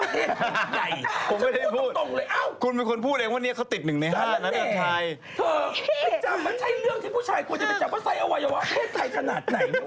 เธอใส่สนาดไหนเอาไว้เอี๊ยบ้า